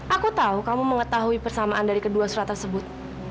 aku tahu kamu mengetahui persamaan dari kedua surat tersebut